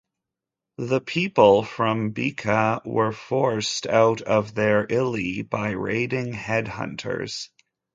The people from Bika were forced out of their "ili" by raiding headhunters.